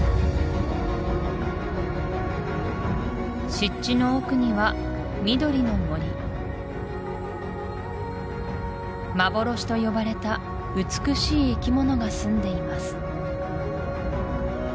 湿地の奥には緑の森幻と呼ばれた美しい生きものがすんでいます